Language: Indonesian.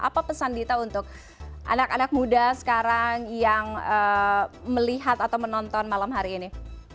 apa pesan dita untuk anak anak muda sekarang yang melihat atau menonton malam hari ini